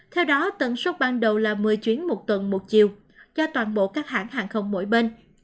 theo đó tần suất ban đầu là một mươi chuyến một tuần một chiều cho toàn bộ các hãng hàng không mỗi bên